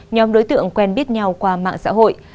nhóm đối tượng quen biết nhau qua mạng xã hội